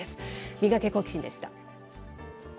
ミガケ、好奇心！でした。